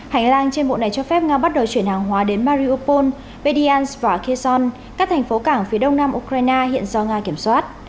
hành lang trên bộ này cho phép nga bắt đầu chuyển hàng hóa đến mariopol pedians và kezon các thành phố cảng phía đông nam ukraine hiện do nga kiểm soát